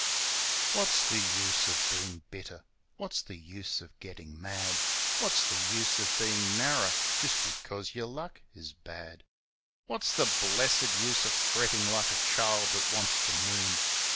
What's the use of bein' bitter? What's the use of gettin' mad? What's the use of bein' narrer just because yer luck is bad? What's the blessed use of frettin' like a child that wants the moon?